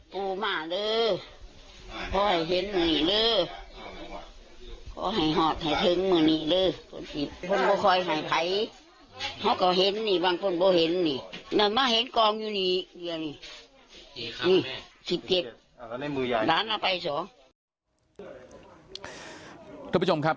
คุณผู้ชมครับ